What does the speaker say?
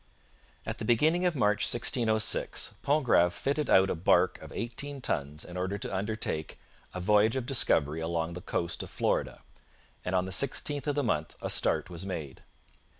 At the beginning of March 1606 Pontgrave fitted out a barque of eighteen tons in order to undertake 'a voyage of discovery along the coast of Florida'; and on the 16th of the month a start was made.